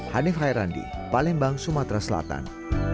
hanif hairandi palembang sumatera selatan